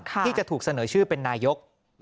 ที่จะถูกเสนอชื่อเป็นนายก